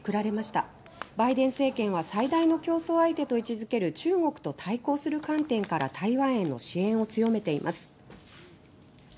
バイデン政権は最大の競争相手と位置づける中国と対抗する観点からも台湾への支援を強めています。